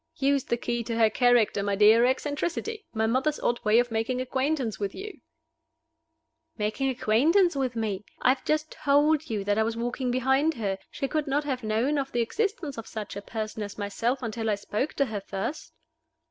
"Use the key to her character, my dear. Eccentricity! My mother's odd way of making acquaintance with you." "Making acquaintance with me? I have just told you that I was walking behind her. She could not have known of the existence of such a person as myself until I spoke to her first."